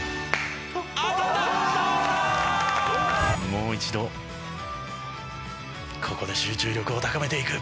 もう一度ここで集中力を高めていく。